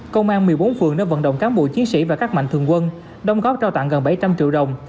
công an một mươi bốn phường đã vận động cán bộ chiến sĩ và các mạnh thường quân đồng góp trao tặng gần bảy trăm linh triệu đồng